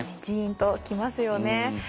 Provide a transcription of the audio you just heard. ジンと来ますよね。